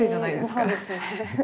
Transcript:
そうですね。